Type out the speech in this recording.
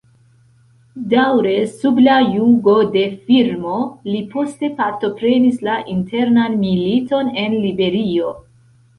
Daŭre sub la jugo de Firmo, li poste partoprenis la internan militon en Liberio.